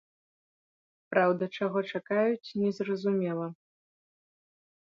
Праўда, чаго чакаюць, не зразумела.